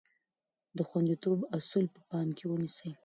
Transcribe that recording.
د خوندیتوب اصول په پام کې ونیسئ.